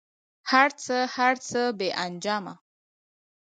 هر څه، هر څه بې انجامه